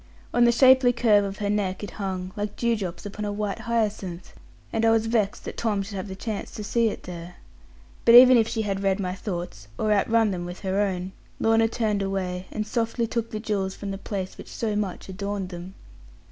On the shapely curve of her neck it hung, like dewdrops upon a white hyacinth; and I was vexed that Tom should have the chance to see it there. But even if she had read my thoughts, or outrun them with her own, Lorna turned away, and softly took the jewels from the place which so much adorned them.